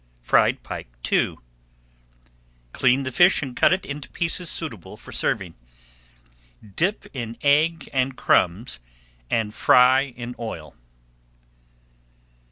FRIED PIKE II Clean the fish and cut it into pieces suitable for serving. Dip in egg and crumbs and fry in oil.